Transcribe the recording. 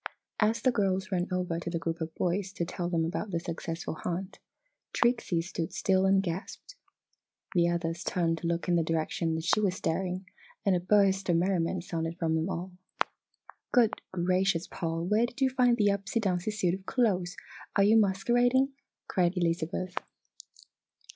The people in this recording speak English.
As the girls ran over to the group of boys to tell them about their successful hunt, Trixie stood still and gasped. The others turned to look in the direction that she was staring and a burst of merriment sounded from them all. "Good gracious, Paul! Where did you find the upsey downsey suit of clothes are you masquerading?" cried Elizabeth.